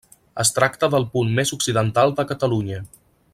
Es tracta del punt més occidental de Catalunya.